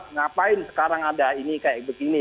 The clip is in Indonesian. ngapain sekarang ada ini kayak begini